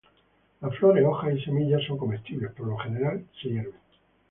Las flores, hojas y semillas son comestibles, por lo general se hierven.